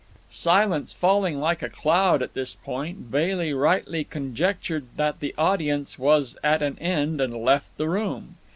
Silence falling like a cloud at this point, Bailey rightly conjectured that the audience was at an end and left the room.